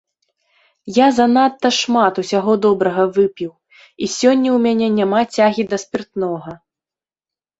Я занадта шмат усяго добрага выпіў, і сёння ў мяне няма цягі да спіртнога.